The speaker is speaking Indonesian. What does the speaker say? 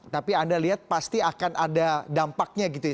tapi anda lihat pasti akan ada dampaknya gitu ya